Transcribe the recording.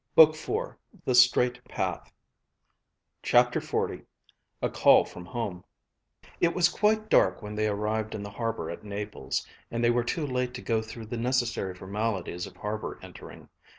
BOOK IV; THE STRAIT PATH CHAPTER XL A CALL FROM HOME It was quite dark when they arrived in the harbor at Naples; and they were too late to go through the necessary formalities of harbor entering.